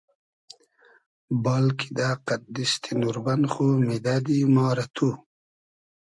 بال کیدۂ قئد دیستی نوربئن خو میدئدی ما رۂ تو